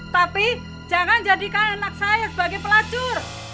tapi jangan jadikan anak saya sebagai pelacur